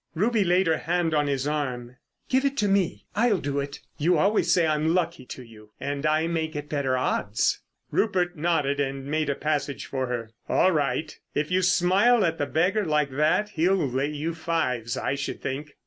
Ruby laid her hand on his arm. "Give it to me, I'll do it. You always say I'm lucky to you—and I may get better odds." Rupert nodded and made a passage for her. "All right. If you smile at the beggar like that he'll lay you fives, I should think."